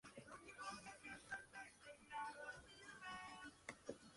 En contrapartida con Johnny está Bruno, el otro protagonista del relato.